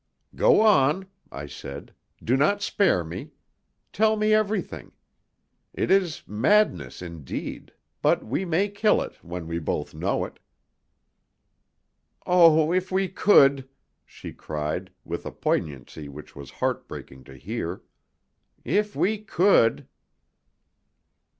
"Go on," I said; "do not spare me. Tell me everything. It is madness indeed; but we may kill it, when we both know it." "Oh, if we could!" she cried, with a poignancy which was heart breaking to hear. "If we could!"